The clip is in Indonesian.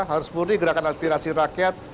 harus murni gerakan aspirasi rakyat